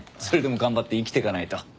それでも頑張って生きてかないと。